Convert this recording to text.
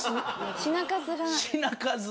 品数？